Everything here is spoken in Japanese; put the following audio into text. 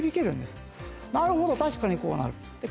なるほど確かにこうなるって。